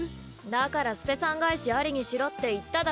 だからスペ３返しありにしろって言っただろ。